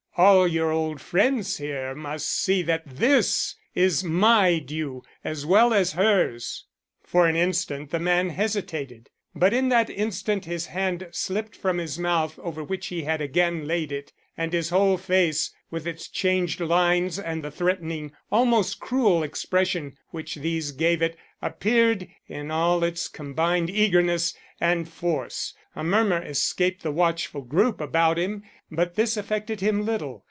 All your old friends here must see that this is my due as well as hers." For an instant the man hesitated, but in that instant his hand slipped from his mouth over which he had again laid it, and his whole face, with its changed lines and the threatening, almost cruel expression which these gave it, appeared in all its combined eagerness and force. A murmur escaped the watchful group about him, but this affected him little.